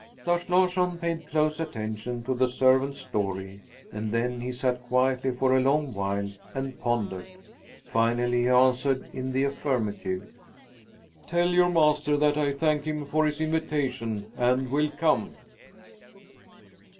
Lars Larsson paid close attention to the servant's story, and then he sat quietly for a long while and pondered. Finally he answered in the affirmative: "Tell your master that I thank him for his invitation and will come."